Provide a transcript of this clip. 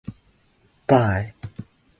By Nicholas he was created baron, and later count.